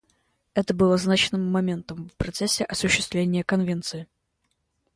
Это было значимым моментом в процессе осуществления Конвенции.